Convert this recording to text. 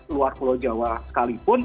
luar pulau jawa sekalipun